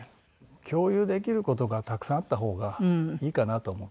共有できる事がたくさんあった方がいいかなと思って。